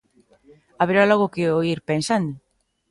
Haberá logo que o ir pensando.